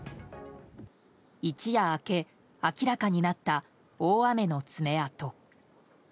一夜明け、明らかになった大雨の爪痕。